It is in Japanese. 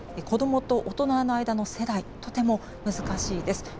子どもと大人の間の世代とても難しいです。